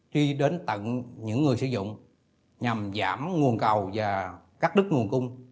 truy đến tận những người sử dụng nhằm giảm nguồn cầu và cắt đứt nguồn cung